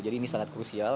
jadi ini sangat krusial